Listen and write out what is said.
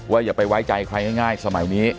อย่าไปไว้ใจใครง่ายสมัยนี้